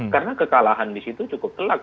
karena kekalahan di situ cukup telak